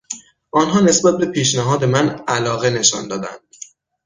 آنها نسبت به پیشنهاد من علاقه نشان دادند.